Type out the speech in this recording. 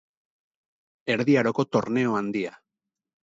Erdi aroko torneo handia.